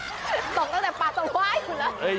ตกตั้งแต่ปากต้องว้ายอยู่แล้ว